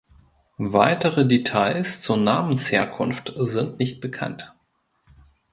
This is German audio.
Weitere Details zur Namensherkunft sind nicht bekannt.